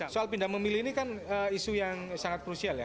soal pindah memilih ini kan isu yang sangat krusial ya